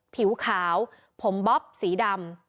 ผิวขาวผมบ๊อบสีดำ